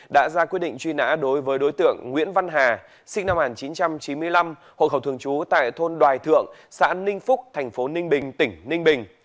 đã ra quyết định truy nã đối với đối tượng nguyễn văn hà sinh năm một nghìn chín trăm chín mươi năm hộ khẩu thường trú tại thôn đoài thượng xã ninh phúc thành phố ninh bình tỉnh ninh bình